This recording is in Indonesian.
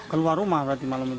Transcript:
keluar rumah tadi malam itu